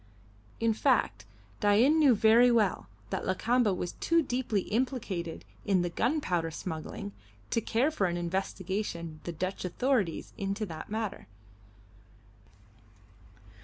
In fact, Dain knew very well that Lakamba was too deeply implicated in the gunpowder smuggling to care for an investigation the Dutch authorities into that matter.